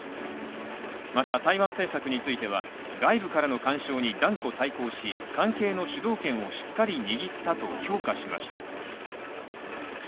また台湾政策については、外部からの干渉に断固対抗し、関係の主導権をしっかり握ったと評価しました。